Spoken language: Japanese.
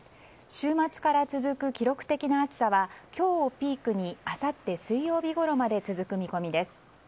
週末から続く記録的な暑さは今日をピークに明後日水曜日ごろまで続く見込みです。